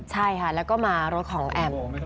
ใช่ค่ะแล้วก็มารถของแอม